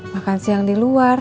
makan siang di luar